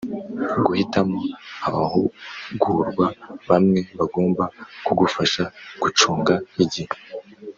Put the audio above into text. Guhitamo abahugurwa bamwe bagomba kugufasha gucunga igihe